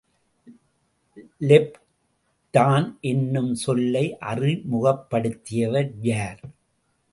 லெப்டான் என்னும் சொல்லை அறிமுகப்படுத்தியவர் யார்?